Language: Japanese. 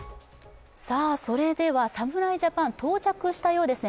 侍ジャパン、到着したようですね。